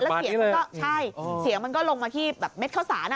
มันก็ตรงบ้านนี้เลยใช่เสียงมันก็ลงมาที่แบบเม็ดเข้าสารอ่ะ